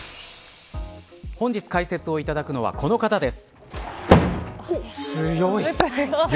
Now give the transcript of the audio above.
本日、解説をしていただくのはこの方です。